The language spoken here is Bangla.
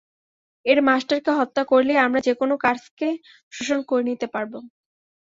এর মাস্টারকে হত্যা করলেই, আমি যেকোনো কার্সকে শোষণ করে নিতে পারবো।